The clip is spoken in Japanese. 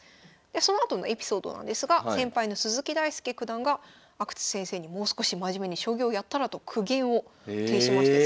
そのあとのエピソードなんですが先輩の鈴木大介九段が阿久津先生にもう少し真面目に将棋をやったらと苦言を呈しました。